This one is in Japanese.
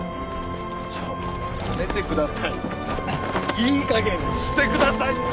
ちょっとやめてくださいよいい加減にしてください！